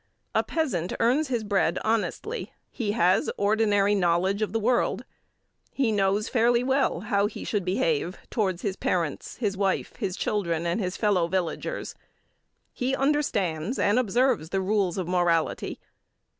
A peasant earns his bread honestly. He has ordinary knowledge of the world. He knows fairly well how he should behave towards his parents, his wife, his children and his fellow villagers. He understands and observes the rules of morality.